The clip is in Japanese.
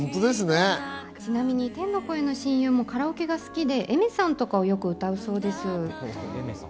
ちなみに天の声の親友もカラオケが好きで、Ａｉｍｅｒさんとかをよく歌うそうです。